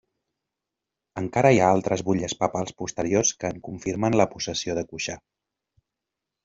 Encara hi ha altres butlles papals posteriors que en confirmen la possessió de Cuixà.